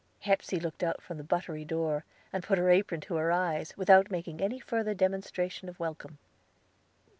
Hepsey looked out from the buttery door, and put her apron to her eyes, without making any further demonstration of welcome.